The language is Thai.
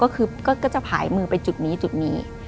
ก็จะผายมือไปจุดนี้จุดนี้